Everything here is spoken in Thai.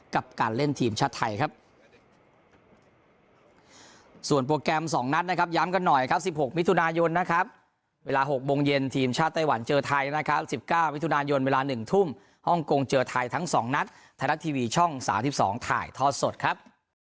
กับการเล่นทีมชาติไทยครับ